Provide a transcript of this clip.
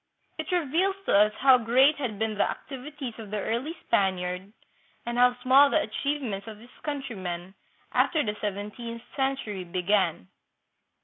It reveals to us how great had been the activities of the early Spaniard and how small the achieve ments of his countrymen after the seventeenth century began.